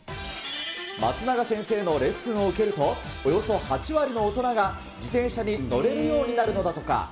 松永先生のレッスンを受けると、およそ８割の大人が自転車に乗れるようになるのだとか。